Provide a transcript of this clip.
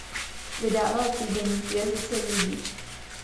Vydával týdeník v jazyce jidiš.